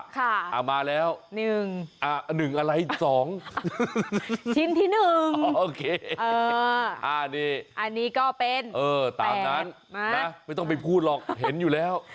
ค่ะอ่าอามาแล้วหนึ่งอ่าหนึ่งอะไรสองชิ้นที่นึงโอเคอันนี้ก็เป็นเออตามนั้นนะไม่ต้องไปพูดหรอกเห็นอยู่แล้ว